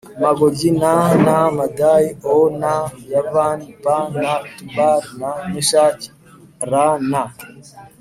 Magogi n na Madayi o na Yavani p na Tubali na Mesheki r na